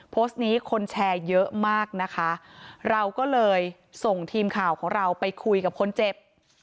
โพสต์นี้คนแชร์เยอะมากนะคะเราก็เลยส่งทีมข่าวของเราไปคุยกับคนเจ็บ